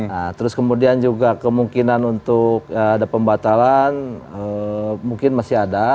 nah terus kemudian juga kemungkinan untuk ada pembatalan mungkin masih ada